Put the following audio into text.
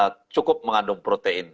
itu juga cukup mengandung protein